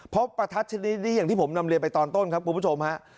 ประทัดชนิดนี้อย่างที่ผมนำเรียนไปตอนต้นครับคุณผู้ชมฮะ